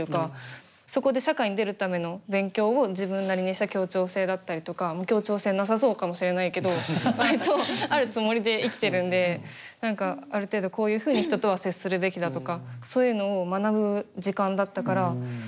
そこで社会に出るための勉強を自分なりにした協調性だったりとか協調性なさそうかもしれないけど割とあるつもりで生きてるんで何かある程度こういうふうに人とは接するべきだとかそういうのを学ぶ時間だったから。